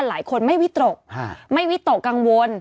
หลายคนไม่วิตกไม่วิตกกังวล